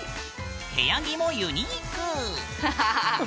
部屋着もユニーク。